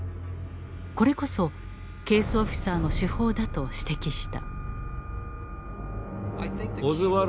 これこそケース・オフィサーの手法だと指摘した。